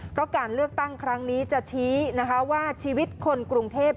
เพราะการเลือกตั้งครั้งนี้จะชี้นะคะว่าชีวิตคนกรุงเทพ